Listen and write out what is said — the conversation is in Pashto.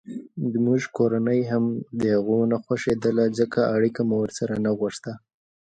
زموږ کورنۍ هم دهغو نه خوښېدله ځکه اړیکه مو ورسره نه غوښته.